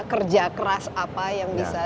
kerja keras apa yang bisa